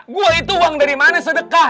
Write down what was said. gua itu uang dari mana sedekah